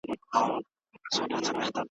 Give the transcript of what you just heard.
خو په ژوند کي یې نصیب دا یو کمال وو `